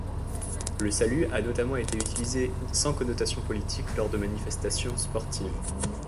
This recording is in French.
Le salut a notamment été utilisé sans connotations politiques lors de manifestations sportives.